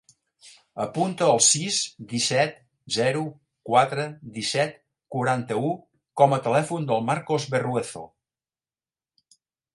Apunta el sis, disset, zero, quatre, disset, quaranta-u com a telèfon del Marcos Berruezo.